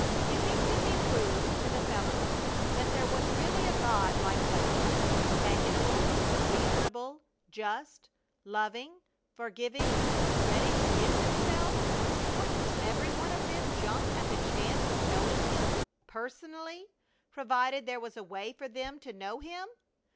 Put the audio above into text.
If it could be proved to the fellows that there was really a God like that, companionable, reasonable, just, loving, forgiving, ready to give Himself, wouldn't every one of them jump at the chance of knowing Him personally, provided there was a way for them to know Him?